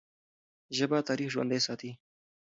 ژبه تاریخ ژوندی ساتي.